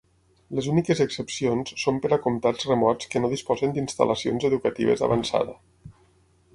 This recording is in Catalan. Les úniques excepcions són per a comtats remots que no disposen d'instal·lacions educatives avançada.